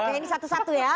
oke ini satu satu ya